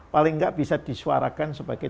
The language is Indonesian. paling nggak bisa disuarakan sebagai